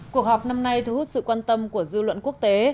cuộc họp năm nay thu hút sự quan tâm của dư luận quốc tế